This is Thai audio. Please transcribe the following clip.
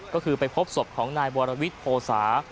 ก็คือไปพบศพของนายบวารวิชโภสา